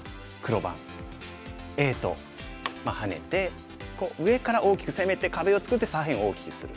Ａとハネて上から大きく攻めて壁を作って左辺を大きくする。